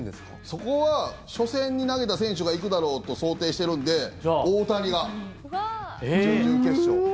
そこは初戦に投げた選手が行くだろうと想定してるんで大谷が準々決勝。